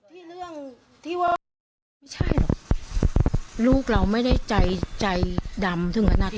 เรื่องที่ว่าไม่ใช่หรอกลูกเราไม่ได้ใจใจดำถึงขนาด